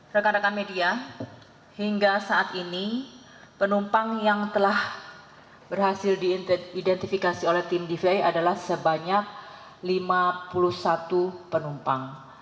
rekan rekan media hingga saat ini penumpang yang telah berhasil diidentifikasi oleh tim dvi adalah sebanyak lima puluh satu penumpang